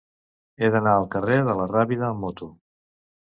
He d'anar al carrer de la Rábida amb moto.